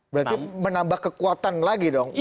berarti menambah kekuatan lagi dong untuk dpd